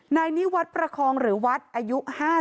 นายนิวัตรประคองหรือวัดอายุ๕๐